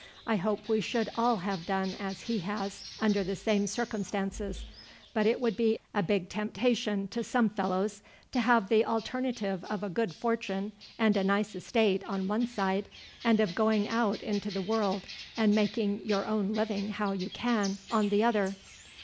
"I hope we should all have done as he has under the same circumstances, but it would be a big temptation to some fellows to have the alternative of a good fortune and a nice estate on one side, and of going out into the world and making your own living how you can on the other."